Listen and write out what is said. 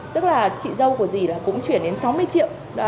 tức là chị dâu của dì là cũng chuyển đến sáu mươi triệu